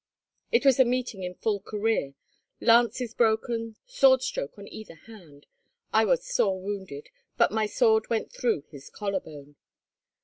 "It was a meeting in full career—lances broken, sword stroke on either hand. I was sore wounded, but my sword went through his collar bone."